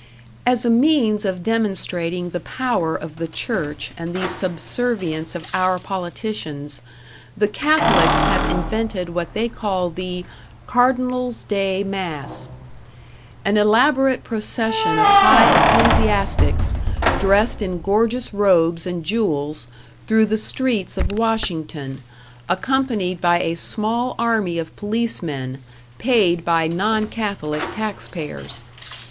As a means of demonstrating the power of the church and the subservience of our politicians, the Catholics have invented what they call the "Cardinal's Day Mass": An elaborate procession of high ecclesiastics, dressed in gorgeous robes and jewels, through the streets of Washington, accompanied by a small army of policemen, paid by non Catholic taxpayers.